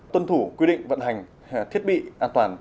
tuân thủ quy định vận hành thiết bị an toàn